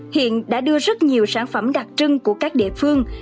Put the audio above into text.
hiện đã đưa rất nhiều sản phẩm đặc trưng của các địa phương